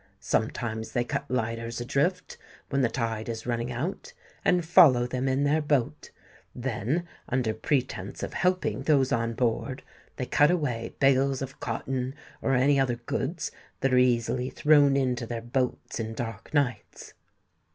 Sometimes they cut lighters adrift, when the tide is running out, and follow them in their boat; then, under pretence of helping those on board, they cut away bales of cotton or any other goods that are easily thrown into their boats in dark nights."